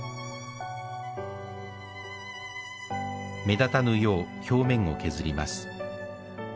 目立たぬよう表面を削ります。